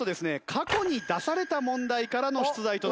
過去に出された問題からの出題となります。